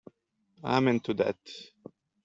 Amen to that.